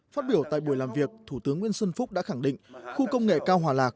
phát biểu tại buổi làm việc thủ tướng nguyễn xuân phúc đã khẳng định khu công nghệ cao hòa lạc